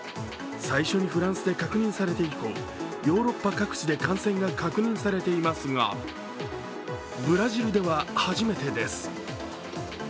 最初にフランスで確認されて以降、ヨーロッパ各地で感染が確認されていますが、ブラジルでは初めてです。